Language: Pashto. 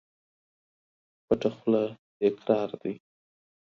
پټه خوله اقرار دى.